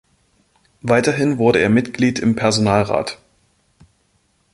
Weiterhin wurde er Mitglied im Personalrat.